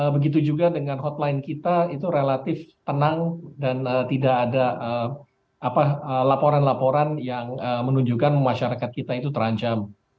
begitu juga dengan hotline kita itu relatif tenang dan tidak ada laporan laporan yang menunjukkan masyarakat kita itu terancam